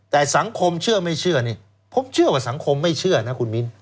แต่สังคมเชื่อไม่เชื่อนี่ผมเชื่อว่าสังคมไม่เชื่อนะคุณมิ้น